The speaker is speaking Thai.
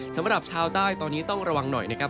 สำหรับชาวใต้ตอนนี้ต้องระวังหน่อยนะครับ